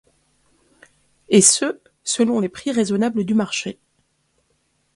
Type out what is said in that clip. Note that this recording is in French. Et ce selon les prix raisonnables du marché.